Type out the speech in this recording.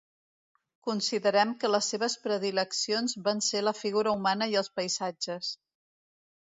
Considerem que les seves predileccions van ser la figura humana i els paisatges.